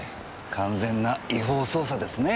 完全な違法捜査ですね。